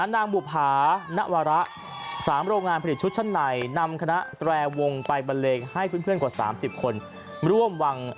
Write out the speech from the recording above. นางบุภานวระ๓โรงงานผลิตชุดชั้นไหนนำคณะแตรวงไปบรรเลกให้เพื่อนกว่า๓๐คน